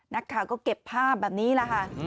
นักข่าวก็เก็บภาพแบบนี้แหละค่ะ